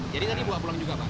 jadi tadi buah pulang juga pak